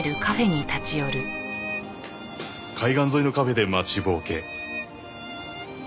海岸沿いのカフェで待ちぼうけ。